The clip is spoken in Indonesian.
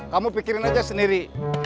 kamu pikirin aja sendiri